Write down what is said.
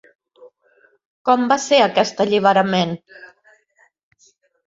Com va ser aquest alliberament?